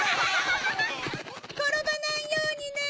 ころばないようにね！